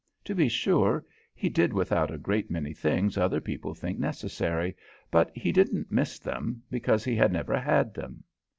To be sure, he did without a great many things other people think necessary, but he didn't miss them, because he had never had them.